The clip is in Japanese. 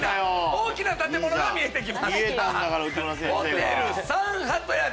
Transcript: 大きな建物が見えてきました。